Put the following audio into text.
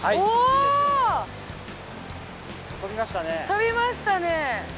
飛びましたね。